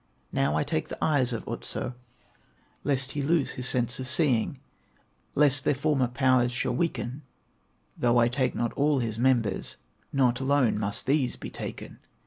"Now I take the eyes of Otso, Lest he lose the sense of seeing, Lest their former powers shall weaken; Though I take not all his members, Not alone must these be taken.